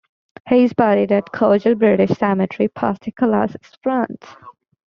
He is buried at Cojeul British Cemetery, Pas-de-Calais, France.